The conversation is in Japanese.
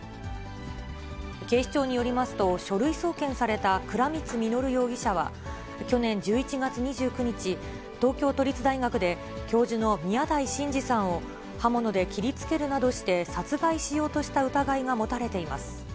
警視庁によりますと、書類送検された倉光実容疑者は、去年１１月２９日、東京都立大学で教授の宮台真司さんを、刃物で切りつけるなどして殺害しようとした疑いが持たれています。